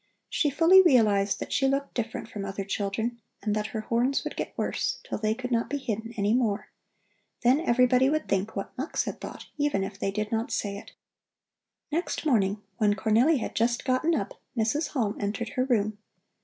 She fully realized that she looked different from other children and that her horns would get worse, till they could not be hidden any more. Then everybody would think what Mux had thought, even if they did not say it. Next morning, when Cornelli had just gotten up, Mrs. Halm entered her room.